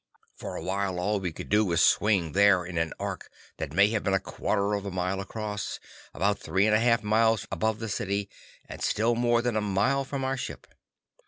For a while all we could do was swing there in an arc that may have been a quarter of a mile across, about three and a half miles above the city, and still more than a mile from our ship.